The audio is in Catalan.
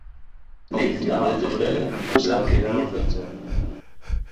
El vint-i-nou de febrer en Marcel irà al metge.